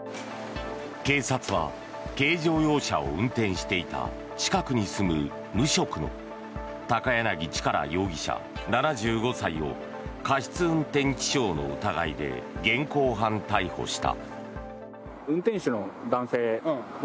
警察は、軽乗用車を運転していた近くに住む無職の高柳力容疑者、７５歳を過失運転致傷の疑いで現行犯逮捕した。